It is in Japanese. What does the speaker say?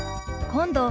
「今度」。